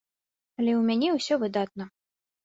Але ў мяне ўсё выдатна.